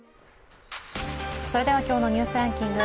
それでは今日の「ニュースランキング」。